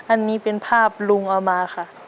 อันนี้เป็นภาพลุงเอามาค่ะ